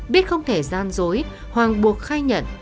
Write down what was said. biết không thể gian dối hoàng buộc khai nhận